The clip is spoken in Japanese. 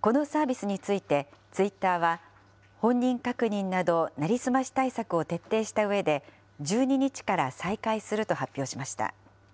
このサービスについて、ツイッターは、本人確認など成り済まし対策を徹底したうえで、１２日から再開すると発表しました。